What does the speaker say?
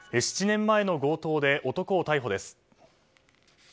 ７年前の強盗で男を逮捕です。